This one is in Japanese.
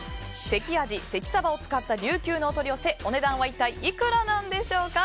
関あじ、関さばを使ったりゅうきゅうのお取り寄せお値段は一体いくらなんでしょうか。